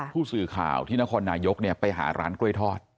ผู้สื่อข่าวที่นครนายกไปหาร้านกล้วยทอด